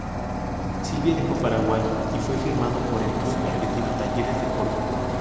Silva dejó Paraguay y fue firmado por el club argentino Talleres de Córdoba.